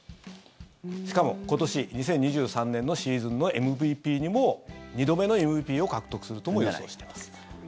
しかも、今年２０２３年のシーズンのＭＶＰにも２度目のＭＶＰを獲得するとも予想しています。